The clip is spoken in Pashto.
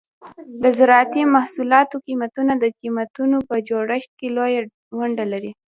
د زراعتي محصولاتو قیمتونه د قیمتونو په جوړښت کې لویه ونډه لري.